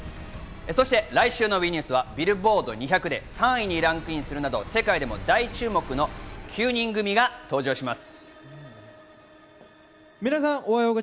来週のＷＥニュースはビルボード２００で３位にランクインするなど世界でも大注目の９人組が登場します。